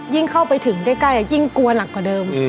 เข้าไปถึงใกล้ยิ่งกลัวหนักกว่าเดิม